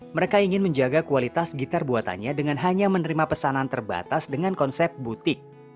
mereka ingin menjaga kualitas gitar buatannya dengan hanya menerima pesanan terbatas dengan konsep butik